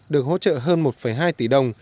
được hỗ trợ hơn một hai tỷ đồng